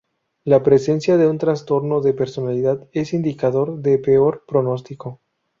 La presencia de un trastorno de personalidad es indicador de peor pronóstico.